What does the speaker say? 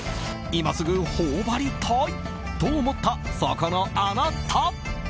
今すぐ頬張りたいと思ったそこのあなた。